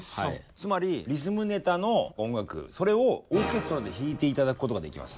つまりリズムネタの音楽それをオーケストラで弾いて頂くことができます。